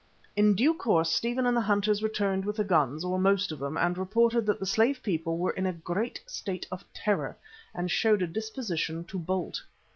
In due course Stephen and the hunters returned with the guns, or most of them, and reported that the slave people were in a great state of terror, and showed a disposition to bolt.